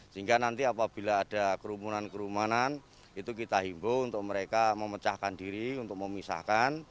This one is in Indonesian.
sehingga nanti apabila ada kerumunan kerumunan itu kita himbo untuk mereka memecahkan diri untuk memisahkan